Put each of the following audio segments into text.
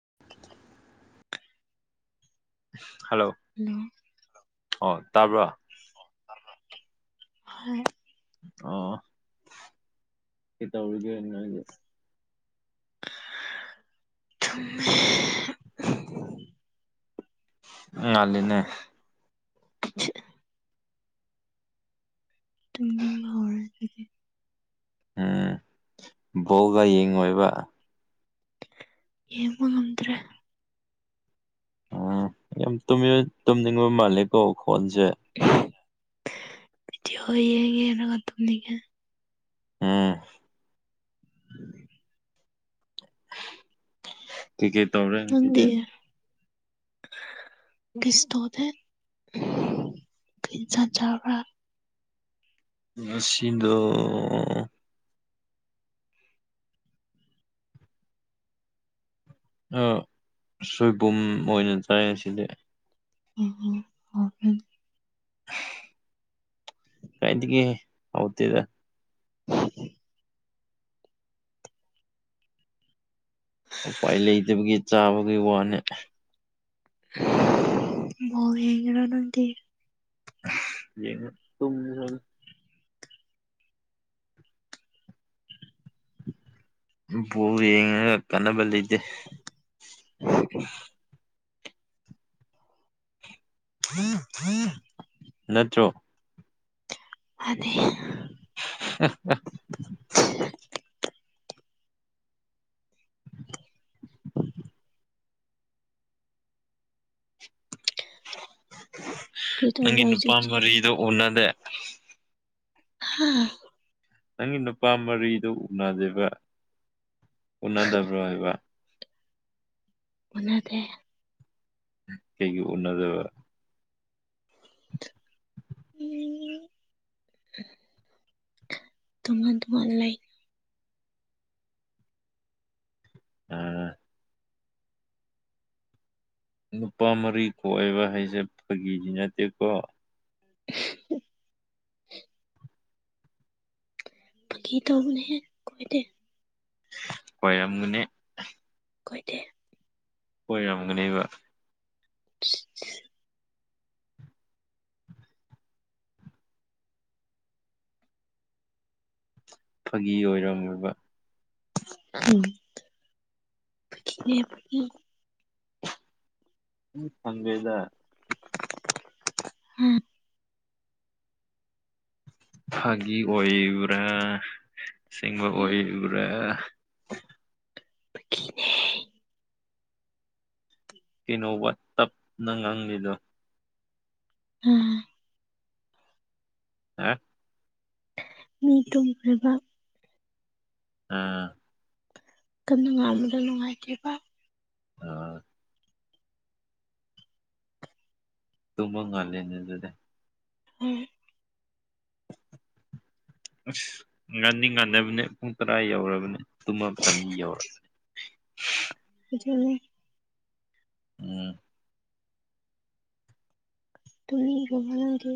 [unintelligible] hello ꯑꯣ ꯇꯥꯕ꯭ꯔꯣ ꯍ ꯑ ꯀ ꯇꯧꯔꯒꯁ [unintelligible] ꯆꯨꯝꯃꯦ ꯎ ꯉꯜꯂꯤꯅꯦ ꯇꯝꯔ [unintelligible] ꯎꯝ ꯕꯣꯒ ꯌꯦꯡꯉꯣꯏꯕ ꯌꯦꯡꯕ ꯉꯝꯗ꯭ꯔꯦ ꯑ ꯌꯥꯝ ꯇꯨꯝꯅꯤꯡꯕ ꯃꯥꯜꯂꯦꯀꯣ ꯈꯣꯟꯁꯦ ꯚꯤꯗꯤꯑꯣ ꯌꯦꯡꯉ ꯌꯦꯡꯉ ꯇꯨꯝꯅꯤꯡꯉꯦ ꯎꯝ [unintelligible] ꯀꯩꯀꯩ ꯇꯧꯔꯦ ꯉꯁꯤꯗꯤ ꯅꯪꯗꯤ ꯀꯔꯤꯁꯇꯗ ꯀꯔꯤꯁ ꯆꯥꯎꯥ [unintelligible] ꯉꯁꯤꯗꯣ ꯁꯣꯏꯕꯨꯝ ꯑꯣꯏꯅ ꯆꯥꯏ ꯁꯤꯗꯤ ꯑꯣ ꯍꯥꯎꯔꯅꯤ ꯑꯦ ꯍꯥꯎꯇꯦꯗ [unintelligible] ꯎꯄꯥꯏ ꯂꯩꯇꯕꯒꯤ ꯆꯥꯕꯒꯤ ꯋꯥꯅꯦ ꯕꯣ ꯌꯦꯡꯏꯔꯣ ꯅꯪꯗꯤ ꯌꯦꯉ ꯇ ꯕꯥꯜ ꯌꯦꯡꯉꯒ ꯀꯥꯟꯅꯕ ꯂꯩꯇꯦ ꯑꯣ [unintelligible] ꯅꯠꯇ꯭ꯔꯣ ꯃꯅꯦ [unintelligible] [unintelligible] ꯀꯔꯤ ꯅꯪꯒꯤ ꯇꯧꯕ꯭ꯔꯥ ꯅꯨꯄꯥ ꯍꯧꯖꯤꯛꯇꯤ ꯃꯔꯤꯗꯣ ꯎꯅꯗꯦ ꯎꯝ ꯅꯪꯒꯤ ꯅꯨꯄꯥ ꯃꯔꯤꯗꯨ ꯎꯅꯗꯦꯕ ꯎꯅꯗꯕ꯭ꯔꯥ ꯍꯥꯏꯕ ꯎꯅꯗꯦ ꯀꯩꯒꯤ ꯎꯅꯗꯕ ꯇꯉꯥꯟ ꯇꯣꯉꯥꯟꯟ ꯂꯥꯏꯟ ꯎꯝ ꯅꯨꯄꯥ ꯃꯔꯤ ꯀꯣꯛꯑꯕ ꯍꯥꯏꯁꯦ ꯐꯥꯒꯤꯗꯤ ꯅꯠꯇꯦꯀꯣ [unintelligible] ꯐꯒꯤ ꯇꯣꯏꯕꯅꯤꯍꯦ ꯀꯣꯏꯗꯦ ꯀꯣꯏꯔꯝꯒꯅꯦ ꯀꯣꯏꯗꯦ ꯑꯣꯏꯔꯝꯒꯅꯦꯕ [unintelligible] ꯐꯥꯒꯤ ꯑꯣꯏꯔꯝꯃꯤꯕ ꯎꯝ ꯐꯒꯤꯅꯦ ꯐꯒꯤ ꯎ ꯈꯩꯗꯦꯗ ꯎꯝ ꯐꯥꯒꯤ ꯑꯣꯏꯕ꯭ꯔꯥ ꯁꯤꯡꯕ ꯍꯣꯏ ꯑꯣꯏꯕ꯭ꯔꯥ ꯐꯒꯤꯅꯦ ꯀꯩꯅꯣꯕ ꯋ ꯇꯞꯅ ꯉꯥꯡꯂꯤꯗꯣ ꯎꯝ ꯍ ꯃꯤ ꯇꯨꯝꯈ꯭ꯔꯕ ꯑꯥ ꯀꯟꯅ ꯅꯨꯡꯉꯥꯟꯕꯗ ꯅꯨꯡꯉꯥꯏꯇꯦꯕ ꯑ ꯇꯨꯃꯕ ꯉꯜꯂꯦꯅꯤ ꯑꯗꯨꯗ ꯎꯝ ꯑꯁ ꯉꯥꯟꯅꯤ ꯉꯥꯟꯅꯕꯅꯦ ꯄꯨꯡ ꯇꯔꯥ ꯌꯧꯔꯕꯅꯦ ꯇꯃ ꯇꯝ ꯌꯧꯔ ꯖꯅꯦ ꯎꯝ ꯇ ꯌꯉꯅꯒꯦ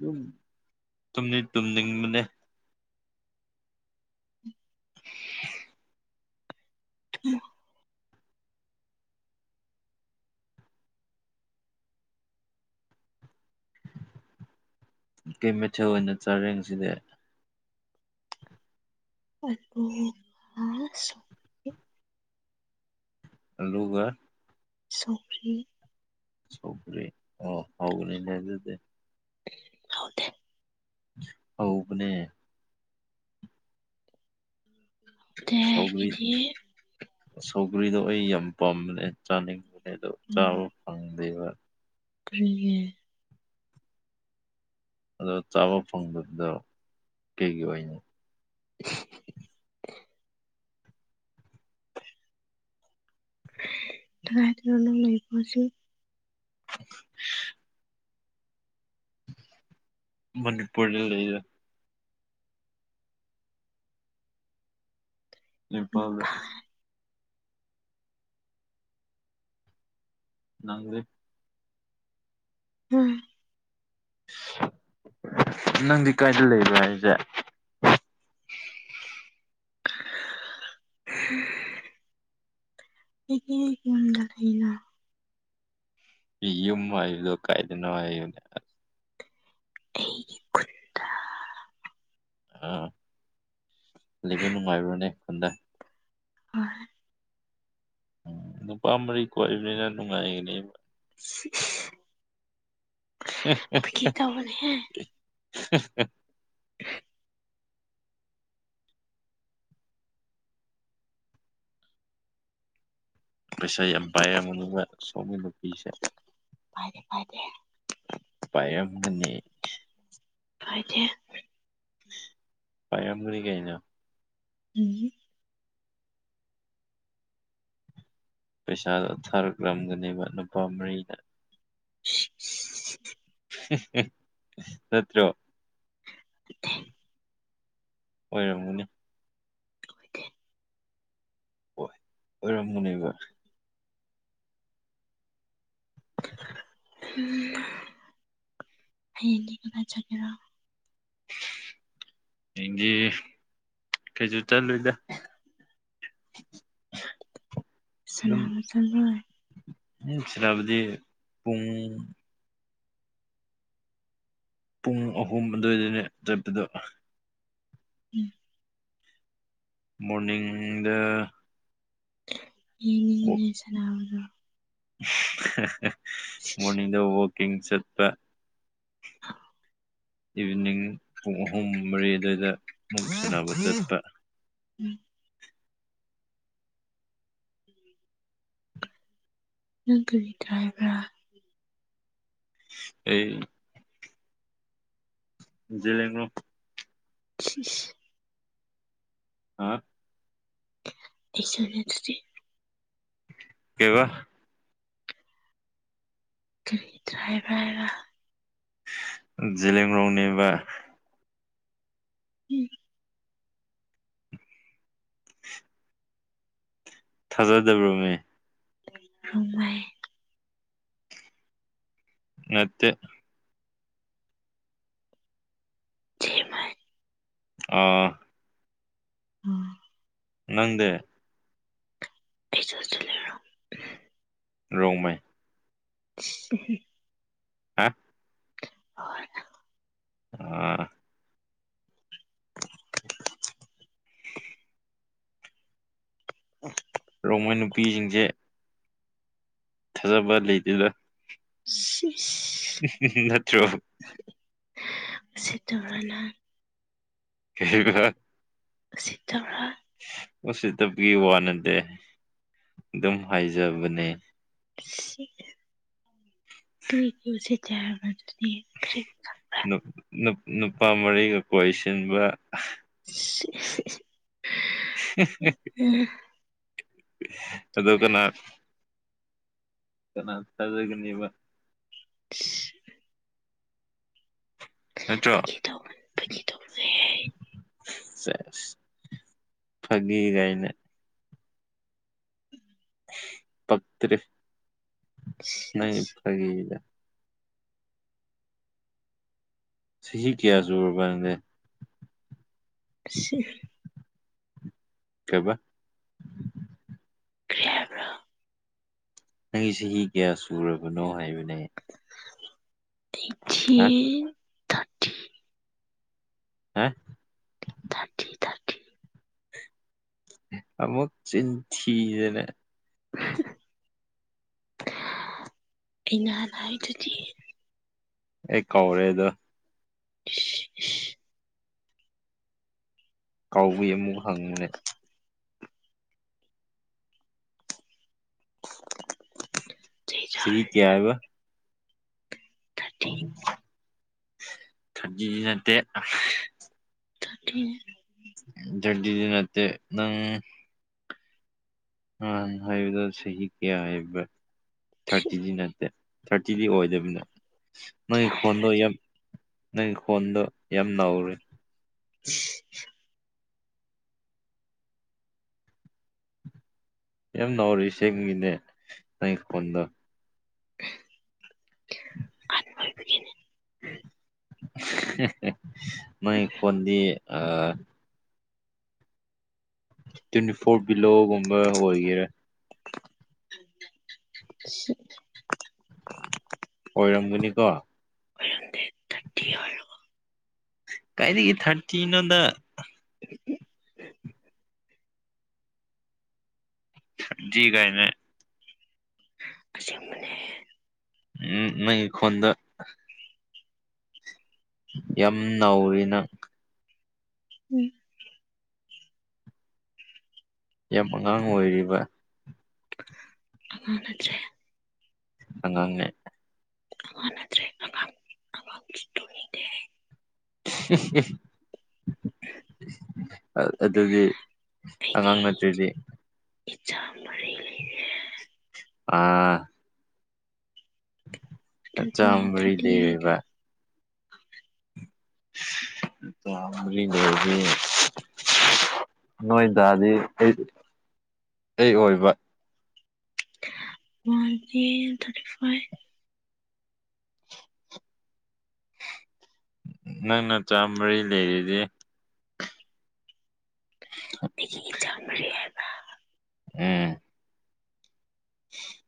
ꯌꯨꯝ ꯇꯨꯝꯅꯤ ꯇꯨꯝꯅꯤꯡꯕꯅꯦ ꯇꯨꯝꯃꯣ ꯀꯩ ꯃꯩꯊꯦꯜ ꯑꯣꯏꯅ ꯆꯥꯔꯦꯁꯤꯗꯤ ꯑ ꯂꯨꯒ ꯁꯈ꯭ꯔꯤ ꯁꯧꯒꯔꯤ ꯑꯣ ꯍ꯭ꯔ ꯏꯦ ꯍꯗ ꯍꯧꯕꯅꯦ ꯀ ꯁꯧꯒꯔꯤ ꯁꯧꯒ꯭ꯔꯤꯗꯣ ꯑꯩ ꯌꯥꯝ ꯄꯥꯝꯕꯅꯦ ꯆꯥꯅꯤꯡꯕ ꯗꯣ ꯆꯕ ꯐꯪꯗꯕ ꯀꯦ ꯑꯗꯣ ꯆꯥꯕ ꯐꯪꯗꯕꯗꯣ ꯀꯩꯒꯤ ꯑꯣꯏꯅ [unintelligible] ꯊꯔ ꯍꯗꯔ ꯂꯩꯄꯁꯤ [unintelligible] ꯃꯅꯤꯄꯨꯔ ꯂꯩ ꯂꯩꯔ ꯏꯐ ꯑꯗꯨ ꯅꯪꯦ ꯎꯝ ꯅꯪꯗꯤ ꯀꯥꯏꯗ ꯂꯩꯕꯣ ꯍꯥꯏꯁꯦ [unintelligible] ꯑꯩꯗꯒꯤ ꯌꯨꯝꯗꯥꯔꯦꯟꯅ ꯌꯨꯝ ꯍꯥꯏꯕꯗꯣ ꯀꯥꯏꯗꯅꯣ ꯍꯥꯏꯕꯅꯦ ꯑꯩ ꯈꯨꯠꯇ ꯑꯥꯂꯤꯕ ꯅꯨꯡꯉꯥꯏꯕ꯭ꯔꯅꯦ ꯈꯟꯗꯦ ꯍꯣꯏ ꯎꯝ ꯅꯨꯄꯥ ꯃꯔꯤ ꯀꯣꯛꯏꯕꯅꯤꯅ ꯅꯨꯡꯉꯥꯏꯒꯅꯦꯕ [unintelligible] ꯐꯥꯒꯤ ꯇꯧꯕꯅꯦꯍꯦ ꯍ ꯎꯝ ꯄꯩꯁꯥ ꯌꯥꯝ ꯄꯥꯏꯔꯕ ꯃꯇꯨꯡꯅꯤ ꯁꯣꯝꯒꯤ ꯅꯨꯄꯤꯤꯁꯦ ꯐꯥꯏꯔꯦ ꯐꯥꯏꯔꯦ ꯄꯥꯏꯔꯝꯒꯅꯤ ꯍꯥꯏꯗꯤ ꯄꯌꯦꯡꯒꯂꯤ ꯀꯩꯅꯩꯅꯣ ꯎꯝ ꯄꯩꯁꯥꯗꯣ ꯊꯥꯔꯛꯂꯝꯒꯅꯦꯕ ꯅꯨꯄꯥ ꯃꯔꯤꯅ [unintelligible] ꯆꯠꯇꯣ [unintelligible] ꯑꯣꯏꯔꯝꯒꯅꯤ ꯍꯣꯏ ꯑꯣꯏꯔꯝꯃꯅꯦꯕ ꯎ ꯍꯌꯦ ꯆꯒꯦꯔꯣ ꯏꯒꯤꯦ ꯀꯩꯁꯨ ꯆꯠꯜꯂꯨꯗ [unintelligible] ꯁꯅꯥ ꯃꯁꯣꯏ ꯎ ꯁꯤ꯭ꯔꯕꯗꯤ ꯄꯨꯡ ꯄꯨꯡ ꯑꯍꯨꯝ ꯑꯗꯨꯏꯗꯨꯅꯦ ꯗ꯭ꯔꯤꯞꯇꯗ ꯎꯝ ꯃꯣꯔꯅꯤꯡꯗ ꯏꯅꯦꯅꯦ ꯁꯅꯥꯅꯕꯗꯣ ꯃꯣꯔꯅꯤꯡꯗ ꯋꯀꯤꯡ ꯆꯠꯄ ꯏꯚꯤꯅꯤꯡ ꯄꯨꯡ ꯑꯍꯨꯝ ꯃꯔꯤ ꯑꯗꯨꯋꯥꯏꯗ ꯑꯃꯨꯛ ꯍ ꯁꯥꯟꯅꯕ ꯆꯠꯄ ꯍ ꯎꯝ ꯅꯪ ꯀꯔꯤ ꯗ꯭ꯔꯥꯏꯕ꯭ꯔꯥ ꯑꯩ ꯦ ꯂꯣ ꯑ ꯑ ꯑꯩꯁꯨꯅꯦꯗꯤ ꯀꯕ ꯈꯔꯤꯗꯔꯑꯕꯑꯕ ꯂꯤꯝ ꯔꯥꯎꯅꯤꯕ ꯎꯝ ꯊꯥꯖꯗꯕ꯭ꯔꯅꯦ ꯍꯕꯥꯥꯏ ꯅꯠꯇꯦ ꯕꯥꯥꯏ ꯑꯥ ꯎꯝ ꯅꯪꯗꯦ ꯄꯩꯁꯥ ꯆ ꯂꯩꯔꯣ ꯔꯣꯝ ꯎ ꯍꯥꯥ ꯍ ꯎ ꯑ ꯔꯣ ꯃꯣꯏ ꯅꯨꯄꯤꯁꯤꯡꯁꯦ ꯊꯥꯖꯕ ꯂꯩꯇꯦꯗ ꯎ ꯅꯠꯇ꯭ꯔꯣ ꯁꯤ ꯇꯧꯔꯅ [unintelligible] ꯁꯤꯠꯇꯧ꯭ꯔꯥ ꯃꯁꯤꯠꯇꯕꯒꯤ ꯋꯥꯅꯗꯦ ꯑꯗꯨꯝ ꯍꯥꯏꯖꯕꯅꯦ ꯎꯆ ꯆ ꯅꯨꯄꯥ ꯃꯔꯤꯒ ꯀꯣꯏꯁꯤꯟꯕ [unintelligible] [unintelligible] ꯎꯝ ꯑꯗ ꯀꯅ ꯀꯅꯥ ꯊꯥꯖꯒꯅꯤꯕ [unintelligible] ꯅꯠꯇꯣ ꯐꯥꯒꯤ ꯇꯧꯕꯅꯦ ꯐꯥꯒꯤ ꯇꯧꯕꯅꯦꯍꯦ ꯐꯒꯒꯥꯏꯅꯦ ꯄꯠꯇꯦ ꯅ ꯁꯤꯁ ꯐꯒ ꯆꯍꯤ ꯀꯌꯥꯁꯨꯕꯅꯦ ꯁꯤ ꯀꯕ ꯀ꯭ꯦꯕ꯭ꯔ ꯅꯪꯒꯤ ꯆꯍꯤ ꯀꯌꯥ ꯁꯨꯔꯕꯅꯣ ꯍꯥꯏꯕꯅꯦ ꯍꯥ ꯑꯩ ꯍꯥ ꯊꯔꯇꯤ ꯊꯥꯔꯇꯤ ꯑꯃꯨꯛ ꯆꯤꯟꯊꯤꯗꯅ ꯏꯩꯅꯅ ꯑꯦꯀꯧꯔꯦꯗ [inaudible] ꯀꯥꯎꯋ ꯑꯃꯨꯛ ꯍꯪꯕꯨꯅꯦ ꯆꯩ ꯆꯍꯤ ꯆꯔꯥꯅꯤ ꯀꯌꯥ ꯅꯪ ꯊꯟꯗꯤꯁꯤ ꯅꯠꯇꯦ [inaudible] ꯗꯟ ꯗꯤ ꯅꯠꯇꯦ ꯅꯪ ꯅꯍꯥꯟ ꯍꯥꯏꯕꯗ ꯆꯍꯤ ꯀꯌꯥ ꯍꯥꯏꯕ ꯊꯥꯔꯇꯤꯗꯤ ꯅꯠꯇꯦ ꯊꯥꯔꯇꯤꯗꯤ ꯑꯣꯏꯗꯕꯅꯤꯅ ꯅꯣꯏꯒꯤ ꯈꯣꯟꯗꯣ ꯍꯥꯏꯕ꯭ꯔꯥ ꯌꯥꯝ ꯅꯪꯒꯤ ꯈꯣꯟꯗꯣ ꯌꯥꯝ ꯅꯧꯔꯦ [inaudible] ꯌꯥꯝ ꯥꯎꯎꯔꯏ ꯏꯁꯤꯡꯦꯡꯒꯤꯅꯦ ꯅꯪ ꯐꯣꯟꯗ ꯑꯍꯜ ꯑꯣꯏꯕꯒꯤꯅꯦ ꯃꯣꯏ ꯈꯣꯟꯗꯤ ꯑ ꯇ꯭ꯋꯦꯟꯇꯤ ꯐꯣꯔ ꯕꯤꯂꯣꯒꯨꯝꯕ ꯑꯣꯏꯒꯦꯔꯥ [inaudible] ꯑꯣꯏꯔꯝꯒꯅꯤꯀꯣ ꯑꯣꯏꯔꯗ ꯇꯇꯤ ꯀꯥꯏꯗꯒꯤ ꯊꯥꯔꯇꯤꯅꯣꯗ [inaudible] ꯖꯤꯒꯥꯏꯅꯦ ꯑꯁꯦꯡꯕꯅꯦ ꯎꯝ ꯅꯒꯤ ꯈꯣꯟꯗꯣ ꯌꯥꯝ ꯅꯧꯔꯤꯅ ꯎꯝ ꯌꯥꯝ ꯑꯉꯥꯡ ꯑꯣꯏꯔꯤꯕ [inaudible] ꯑꯉꯥꯡ ꯅꯠꯇꯔ꯭ꯦ ꯑꯉꯥꯡꯅꯦ ꯑꯉꯥꯪ ꯅꯠꯇ꯭ꯔꯦ ꯑ ꯑ [inaudible] ꯑꯗꯨꯗꯤ ꯑꯉꯥꯡ ꯅꯠꯇ꯭ꯔꯤꯗꯤ ꯏꯆꯥꯥ ꯃꯔꯤ ꯂꯩ ꯑ ꯅꯆꯥ ꯑꯗꯨꯒꯤꯅꯦ ꯃꯔꯤ ꯊꯥꯔꯇꯤ ꯍꯥꯏꯗꯣ ꯂꯩꯔꯕ ꯅꯆꯥ ꯃꯔꯤ ꯂꯩꯔꯗꯤ ꯅꯣꯏꯗꯥꯗꯤ ꯀꯩ ꯀꯩ ꯑꯣꯏꯕ ꯋꯥꯟꯇ ꯊꯔ ꯐꯥꯏꯚ ꯅꯪ ꯅꯆꯥ ꯃꯔꯤ ꯂꯩꯔꯤꯗꯤ ꯑꯩꯒꯤ ꯏꯆꯥ ꯃꯔꯤ ꯍꯥꯏꯕ ꯎꯝ [inaudible]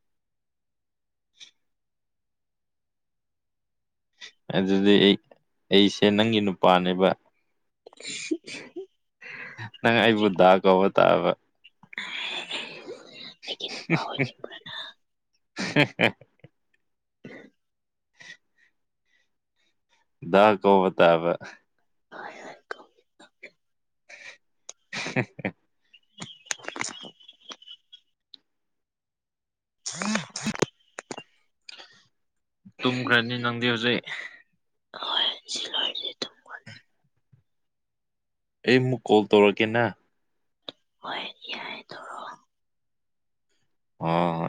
ꯑꯗꯨꯗꯤ ꯑꯩ ꯑꯩꯁꯦ ꯅꯪꯒꯤ ꯅꯨꯄꯥꯅꯦꯕ [inaudible] ꯅꯪ ꯑꯩꯕꯨ ꯑꯩꯒꯤ ꯗꯥꯥ ꯀꯧꯕ ꯇꯥꯕ [inaudible] ꯑꯣꯏꯅꯤꯡꯕ꯭ꯔꯥ [inaudible] [inaudible] ꯗ ꯀꯧꯕ ꯇꯥꯕ [inaudible] [unintelligible] [unintelligible] ꯑ ꯇꯨꯝꯈ꯭ꯔꯅꯤ ꯅꯪꯗꯤ ꯍꯧꯖꯤꯛ ꯍ ꯁꯤ ꯂꯔ ꯑꯩ ꯑꯃꯨꯛ ꯀꯣꯜ ꯇꯧꯔꯛꯀꯦ ꯅ ꯍꯣꯏ ꯌꯥꯏꯗ ꯑꯣ